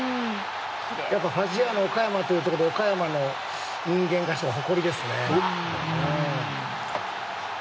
やっぱりファジアーノ岡山ということで岡山の人間からしたら誇りですね。